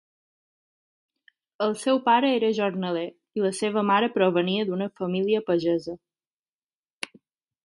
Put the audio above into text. El seu pare era jornaler i la seva mare provenia d'una família pagesa.